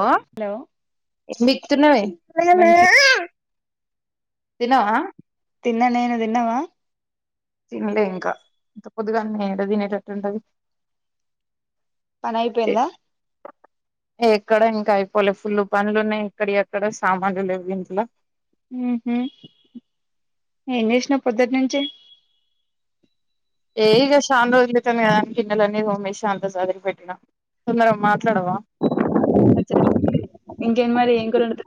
ఓ hello ఏం బికుతున్నావే మంచి [unintelligible] తిన్నావా తిన్ననే నువ్వు తిన్నవా తినలే ఇంకా ఇంత పొందుగానే ఏడ తినేటట్టుంటది. పనయిపోయిందా. ఎక్కడ ఇంకా అయిపోలే ఫుల్లు పనులు ఉన్నాయి. ఇక్కడ ఎక్కడ సామాన్లు లేవు ఇంట్లో ఉహ్ ఎమ్ చేసినవ్ పొద్దుటి నుంచి ఏఇగ శాన రోజులు అయితుంది. కదాఅని గిన్నెలన్నీ తోమెస్న, అంత సదిరీ పెట్టిన తొందరగా మాట్లాడవా [unintelligible] ఇంకే మరి ఏం కూర అండుతున్న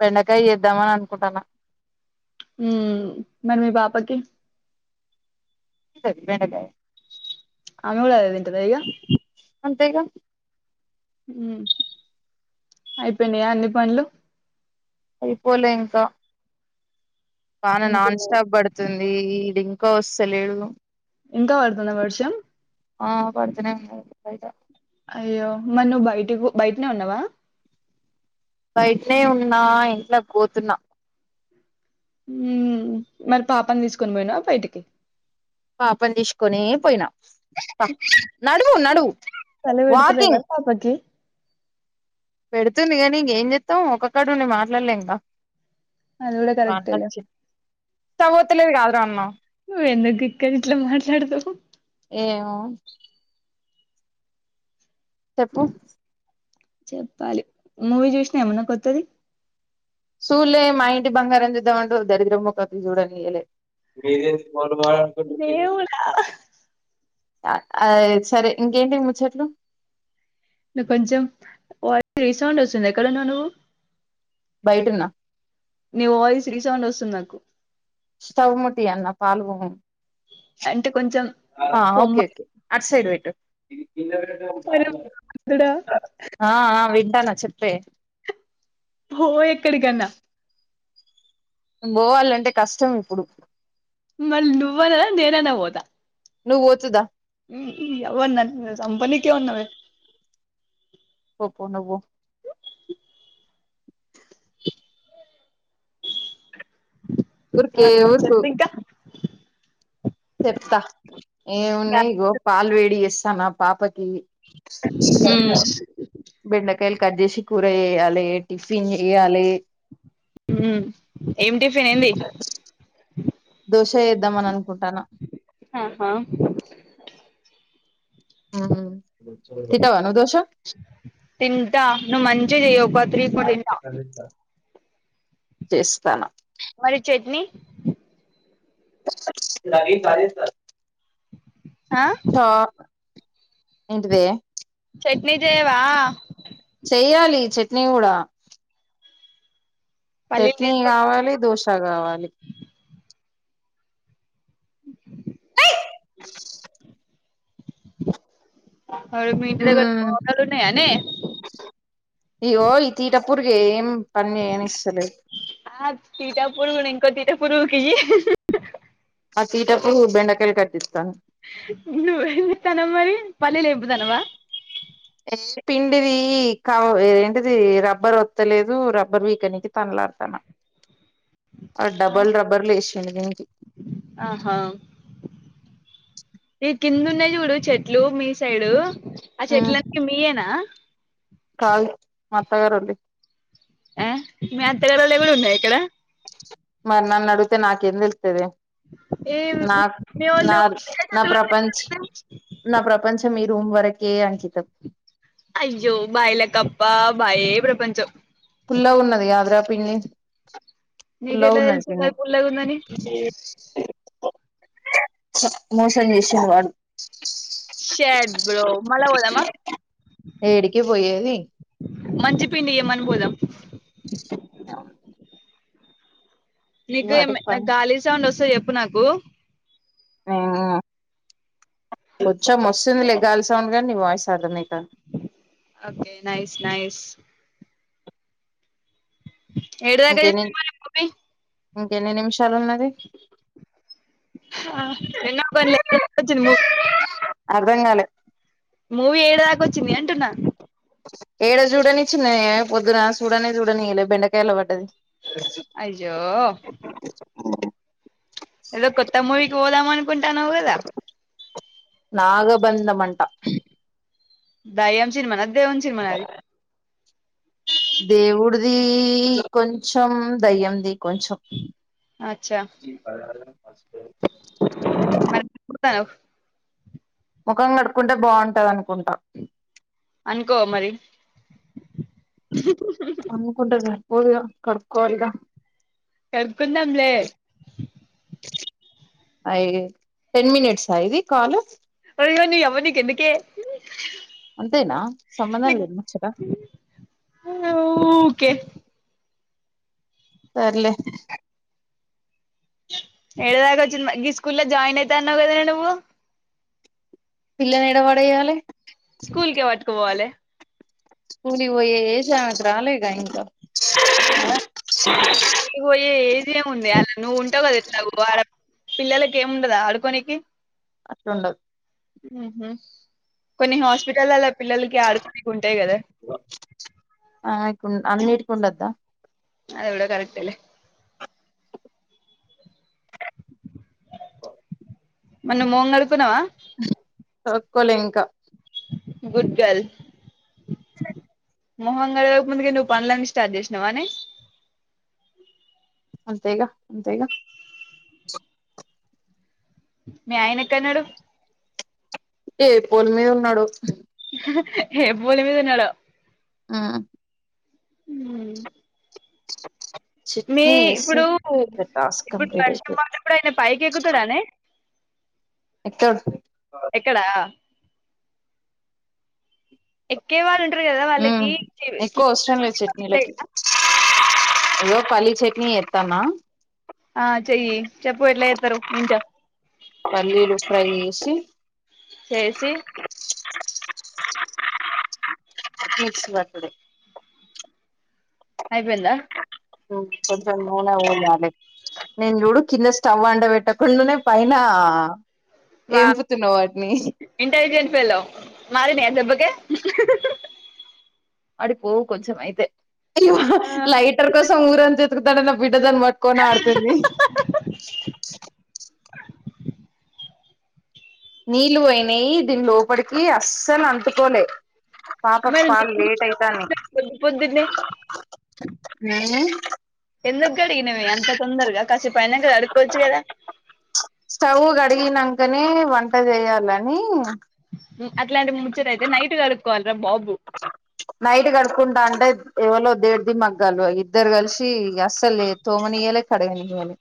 బెండకాయ చేద్దామని అనుకుంటాను. ఉ మరి మీ పాపకి [unintelligible] బెండకాయ ఆమెకూడా అదే తింటాదా ఇగ అంతేగా హ్మ్మ్, అయిపోయినాయా, అన్నిపనులు, అయిపోలే ఇంకా వాన ఇంకా నాన్ స్టాప్ పడుతుంది. వీడు ఇంకా వస్తులేడు. ఇంకా పడుతుంద వర్షం ఆ పడుతనే ఉన్నది. బయట అయ్యో, మరీనువ్వు బయటకు పో బయటనే ఉన్నావా. బయటనే ఉన్నా ఇంట్లోకి పోతున్నా. హ్మ్మ్ మరి పాపను తీసుకొని పోయినావ బయటికి పాపనీ తీసుకొనే పోయినా, నడువు నడువు చలి పెడతలే వాకింగ్ కదా పాపకి పెడుతుంది. గానీ ఇంకేం చెస్తాం ఒకకకడుండి మాట్లాడలేం కదా అది కూడా మా అన్న కరెక్టేలే వచ్చిండు. [unintelligible] ఎక్కడకి పోతుంన్నారు కాద అన్నా నువ్వు ఎందుకు ఇక్కడ ఇట్లా మాట్లాడుతావు. ఏమో చెప్పు చెప్పాలి మూవీ చూసినా ఏమన్నా కొత్తది. సూళ్లే మా ఇంటి బంగారం చూద్దామంట దరిద్ర ముఖది చూడనియలే మీదే ప వా [unintelligible] దేవుడా సరే ఇంకేంటి ముచ్చట్లు నాకు కొంచెం వాయిస్ కొంచం రీసౌండ్ వస్తుంది. ఎక్కడ ఉన్నావు. నువ్వు బయటన్న నీ వాయిస్ రీసౌండ్ వస్తుంది. నాకు స్టవ్ ముత్తియలన పాలు అంటే కొంచెం ఆ పొమ్మ ఓకే ఓకే అట్ సైడ్ పెట్టు అరే భగవంతుడా ఆ, ఆ, వింటానా చెప్పే పో ఏక్కడి కన్నా పోవాలంటే కష్టం ఇప్పుడు, మల్ నువ్వనా రా నేనన్న పోత నువ్వు పోతువుదా ఉహుం నియవ్వ నన్ను సంపానికే ఉన్నావే పో పో నువ్వు పో ఉర్కే ఉర్కు ద చెప్తా ఏమున్నాయి ఇగో పాలు వేడి చేస్తున్న పాపకి [unintelligible] బెండకాయలు కడ్ జేసి కూర చెయ్యలే టిఫిన్ జెయ్యాలే హ్మ్మ్ ఏం టిఫిన్ ఏంది దోష ఏద్దామనినుకుంటాన్న ఆాహా హ్మ్మ్ తింటావా నువు దోష తింటా నువు మంచిగా చెయ్ ఒక త్రీ ఫోర్ తింట చేస్తాను మరి చట్నీ నాగే కార్యస్త ఆ ఓ ఏంటిదే చట్నీ జేయవ చెయ్యాలి చట్నీ కూడా పల్లీలు చట్నీ తీసుకొచ్చి కావాలి దోశ కావాలి అ మీ ఇంటిదగ్గర టోకాలు ఉన్నాయనే ఇగో ఈ తీట పురుగేం ఆ తిటా పురుగుని ఇంకో తిటా పూరుగుకియ్యి ఆ తీటకు బెండకాయలు కట్టిస్తన నువు ఏం చెత్తనవు మరి పల్లీలు ఎంపుతన్నావా ఏ పిండిది కవ ఏంటిది రబ్బర్ వత్తలేదు రబ్బర్ వీకనికి తన్లద్తాన్న డబల్ రబ్బర్లు వేసిండ్లు దీనికి ఆహా ఈ కింద ఉన్నాయి చూడు చెట్లు మీ సైడు ఆ చెట్లన్నీ మీయేనా కాదు మా అత్తగారిల్లై ఆ మీ అత్తగారిల్లై కూడా ఉన్నాయా ఇక్కడ మరి నన్ను అడుగుతే నాకేం తేలుత్తదే ఏ నాక్ మీ నా వోళ్ళు నా ప్రపంచ్ నా ప్రపంచం ఈ రూమ్ వరకే అంకితం అయ్యో బాయిల కప్ప బాయే ప్రపంచం ఫుల్లాగా ఉన్నది కాద్రా పిండి ఫుల్లాగా నీకెట్లా ఉన్నది తెలుసు పిండి మరి పుల్లగుందని మోసం చేసిండు వాడు శెడ్ బ్రో మళ్ళ పోదామా ఏడికి పోయేది మంచి పిండి ఇయ్యమనీ పోదాం అ నీకు వాటికి ఏమినా పని గాలి సౌండ్ వస్తె చెప్పు నాకు ఆ కొంచం వస్తుంది లె గాలి సౌండ్ కానీ నీ వాయిస్ అర్థమైతంది ఓకే నైస్ నైస్ ఏడు దాకా ఇంకెన్ని చూసినవ్ మరి ఇంకెన్ని నిమిషాలు ఉన్నది ఆ ఎన్న బలే [inaudible] అర్ధం కాలే మూవీ ఏడ దాకా వచ్చింది అంటున్నా ఏడ చూడనిచ్చనే పొద్దున చూడనే చూడనియ్యాలే బెండకాయలో పడ్డది అయ్యో ఏదో కొత్త మూవీకి పోదాం అనుకుంటాన్నావ్ కదా నాగబంధం అంట దయ్యం సినిమానా దేవుని సినిమానా అది దేవుడిది కొంచెం దయ్యంది కొంచెం అచ్చా [inaudible] మరి [unintelligible] ముఖం కడుక్కుంటే బాగుంటది అనుకుంటా అనుకో మరి కుంటారుగా పోదుగా కడుక్కోవాలిగా కడుకుందాంలే అయి టెన్ మినిట్స్ ఆ ఇది కాల్ అయ్యో నియవ్వ నికెందుకే అంతేనా సంబంధం లేదు ముచ్చట ఓకే సర్లే ఏడేదాకా వచ్చింది గీ స్కూల్లో లో జాయిన్ అయాతా అన్నావు కథనే నువ్వు పిల్లని యాడ పడేయాలే స్కూల్ కే పట్టుకే పోవాలే స్కూల్ పోయేదే [unintelligible] ఇంకా ఆ స్కూల్ పోయే ఏజ్ ఏముంది అ నువ్వు ఉంటావు కదా ఏట్ల ఆడ పిల్లలకి ఏముండదా ఆడుకోనికి అట్ ఉండదు ఉహు కొన్ని హాస్పిటల్ లల్లో పిల్లలకి ఆడుకోనికి ఉంటాయి కదా ఆయికు అన్నిటికి ఉండద్దా అది కూడా కరెక్ట్ లే మొన్న మొంగ్కడుకున్నవ కడుక్కోలే ఇంకా గుడ్ గల్ మొహం కడక ముందుకే నువ్ పనులన్నీ స్టార్ట్ చేసినవవా నే అంతేగా అంతేగా మీ ఆయన ఎక్కన్నాడు ఏ పొల్ మీద ఉన్నాడు హాహా ఏ పోల్ మీద ఉన్నడో ఆ హ్మ్. మీ చట్నీ వేసి ఇప్పుడు టాస్క్ ఇప్పుడు కంప్లీట్ వర్షం అయితది వాళ్ల పడ్డప్పుడు ఆయన పైకి ఎక్కుతాడానే ఎక్కడ్ ఎక్కడా ఎక్కే వాళ్ళు ఉంటారు కదా ఉమ్ ఎక్కువ అవసరం లేదు ఉంటాయి చట్నీలకి గదా! ఇగో పల్లి చట్నీ చేత్తనా ఆ చెయ్యి చెప్పు ఎట్లా చేత్తారో వింట పల్లిలు ఫ్రై చేసి చేసి మిక్సి పట్టుడే అయిపిందా హు కొంచెం నూనె పోయాలే నేన్ చూడు కింద స్టవ్ అండబెట్టకుండానే పైన ఎంపుతున్నావ్ వాటిని ఇంటెలిజెట్ ఫెల్లో మారినయా దెబ్బకే మాడిపోవు కొంచమయితే అయ్యో ఆహా లైటర్ కోసం ఊరంత తీరుతనాన బిడ్డ దాన్ పట్కొని ఆడతంది నీళ్లు పోయినాయి దీని లోపలికి అస్సలు అంటుకోలే పాపకు మరి పాల్ నీళ్ళు ఎందుకు లేటైతన్నై పోసినవ్ పొద్దు పొద్దున్నే హూ ఎందుకడిగినవే అంత తొందరగా కాసే పైనాకడుక్కోవచ్చు కదా స్టవ్ గడిగినాకనే వంట చేయాలని అట్లాంటి ముచ్చటయితే నైట్ కడుక్కోవాల్ రా బాబు నైట్ కడుక్కుంటా అంటే ఎవలో దేడిది మగ్గాలు ఇద్దరు కలిసి అస్సలే తోమనీయలే కడగనియ్యనీ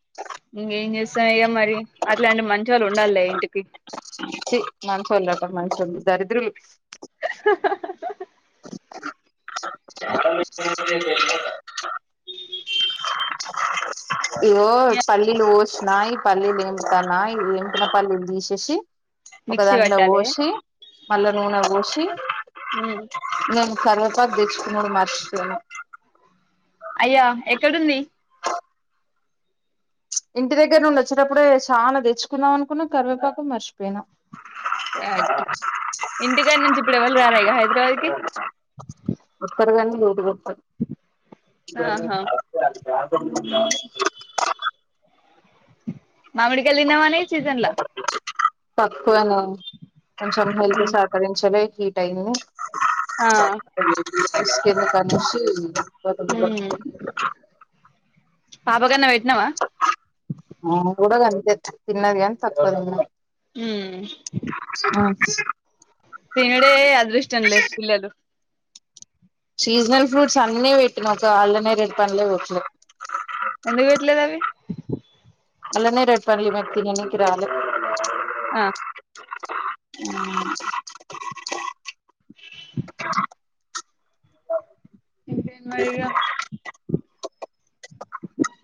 ఇంగేం చేస్తమిగా మరి అట్లాంటి మంచి వాళ్ళు ఉండాల్లే ఇంటికి ఛీ మంచోళ్ళట మంచోళ్ళు దరిద్రులు హా చడ [unintelligible] ఈవో పల్లీలు ఓసి నాయి పల్లీలు ఏంతనా ఏంతున పల్లీలు తీసేసి ఒక మిక్సీ దాంట్లో పట్టాలే పోసి మళ్లా నూనె పోసి ఊ నేను కర్వేపాక్ తెచ్చుకునుడు మర్చిపోయిన అయ్యా ఎక్కడుంది ఇంటి దగ్గర నుండి వచ్చేటప్పుడే చాలా తెచ్చుకున్నాం అనుకున్నా కరివేపాకులు మర్చిపోయినా సాడ్ ఇంటికా నుంచి ఇప్పుడు ఎవరు రారా ఇగ హైదరాబాద్ కి ఒస్తారు గాని లేటుగొస్తారు ఆహా [unintelligible] మామిడికాయలు తిన్నావనే సీజన్లా తక్కువనే కొంచెం హెల్త్ సకరించలే హీట్ అయింది ఆ తీస్కెలిన్ కాన్నుంచి [inaudible] ఉమ్ పాప కన్నా భేట్నా వా ఆ ఊడగ అంతే తిన్నది గానీ తక్కువ తిన్నది ఊ ఓ తీనుడే అదృష్టం లే పిల్లలు సీజనల్ ఫ్రూట్స్ అన్నీ పెట్టిన ఒక అల్లా నేరేడ్ పండ్లే పెట్లే ఎందుకు చేయట్లేదు అవి అల్లనేరేడు పండు వాడు తిననికి రాలే ఆ ఆ ఇంకేంది మరి ఇగ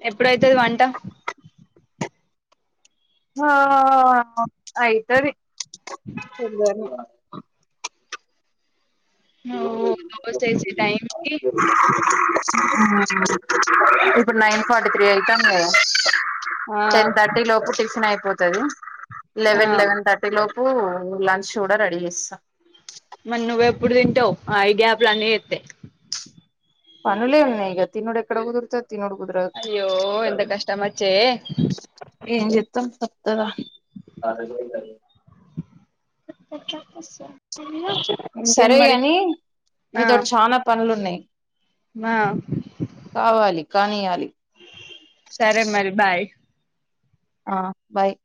ఎప్పుడైతుది వంట ఆ అయితది [unintelligible] ఓ బస టైమ్ కి ఆ ఇప్పుడు నైన్ ఫార్టీ త్రీ అయితాండి కదా ఆ టెన్ థర్టీ లోపు టిఫిన్ అయిపోతది, ఆ లెవెన్ లెవెన్ థర్ టి లోపు లంచ్ కూడా రడీ చేస్త మరి నువ్వెప్పుడు తింటవు, ఆ ఈ గ్యాప్ల అని చెత్తే పనులే ఉన్నయిగా తినుడు ఎక్కడ కుదురుతది? తినుడు కుదరదు అయ్యో ఎంత కష్టం వచ్చే ఏం చెత్తం తప్తదా ఇంకేంద్ సరే మరి గాని ఆ నీతోటి చానా పనులు ఉన్నయి. మా కావాలి కానీయాలి సరే మరి బాయ్ ఆ బాయ్